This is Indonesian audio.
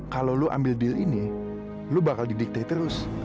kalau lu ambil deal ini lu bakal didiktir terus